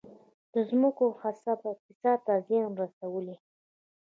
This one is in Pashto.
د ځمکو غصب اقتصاد ته زیان رسولی؟